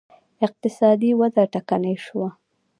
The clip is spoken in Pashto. اقتصادي وده ټکنۍ شوه